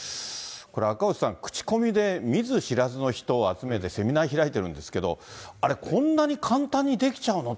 これ、赤星さん、口コミで見ず知らずの人を集めてセミナー開いてるんですけど、あれ、こんなに簡単にできちゃうの？